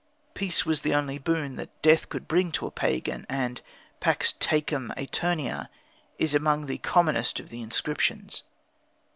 Peace was the only boon that death could bring to a pagan, and "Pax tecum æterna" is among the commonest of the inscriptions.